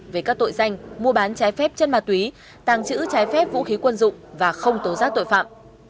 về các tội danh mua bán trái phép chân ma túy tàng trữ trái phép vũ khí quân dụng và không tố giác tội phạm